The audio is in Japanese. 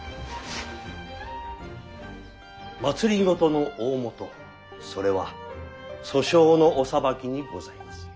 政の大本それは訴訟のお裁きにございます。